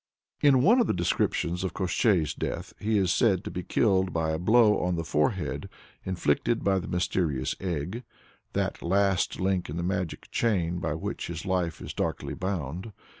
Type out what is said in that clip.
In one of the descriptions of Koshchei's death, he is said to be killed by a blow on the forehead inflicted by the mysterious egg that last link in the magic chain by which his life is darkly bound.